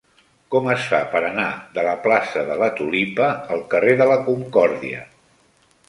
Com es fa per anar de la plaça de la Tulipa al carrer de la Concòrdia?